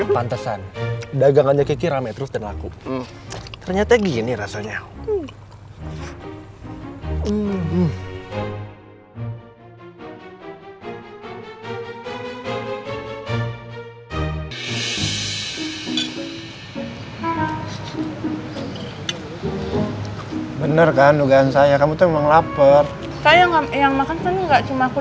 bener kan dugaan saya kamu tuh emang lapar saya enggak cuma aku doang ada anaknya